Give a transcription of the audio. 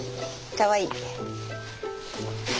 かわいい。